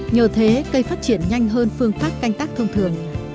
nhờ thế cây phát triển nhanh hơn phương pháp canh tác thông thường